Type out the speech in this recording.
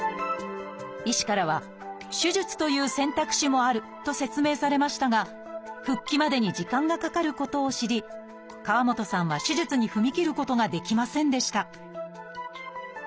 医師からは手術という選択肢もあると説明されましたが復帰までに時間がかかることを知り河本さんは手術に踏み切ることができませんでした。